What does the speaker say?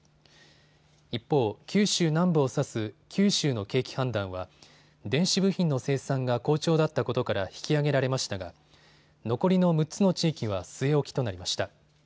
一方、九州南部を指す九州の景気判断は電子部品の生産が好調だったことから引き上げられましたが残りの６つの地域は据え置きとなりました。